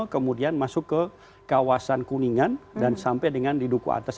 kemudian masuk ke kawasan kuningan dan sampai dengan di duku atas